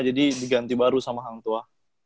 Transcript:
jadi diganti baru sama hang tua